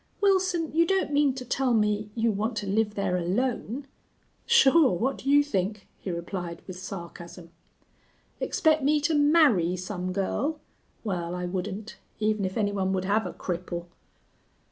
Wilson, you don't mean to tell me you want to live there alone?" "Sure. What'd you think?" he replied, with sarcasm. "Expect me to marry some girl? Well, I wouldn't, even if any one would have a cripple."